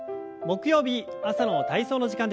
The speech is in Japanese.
木曜日朝の体操の時間です。